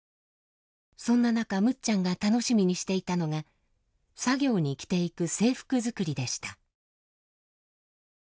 そんな中むっちゃんが楽しみにしていたのが作業に着ていく制服作りでした。